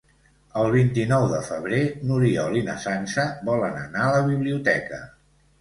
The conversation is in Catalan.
El vint-i-nou de febrer n'Oriol i na Sança volen anar a la biblioteca.